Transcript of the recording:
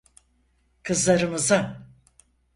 Kızlarımıza!